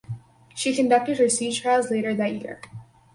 She conducted her sea trials later that year.